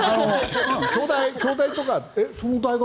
京大とか、そんな大学